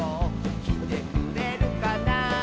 「きてくれるかな」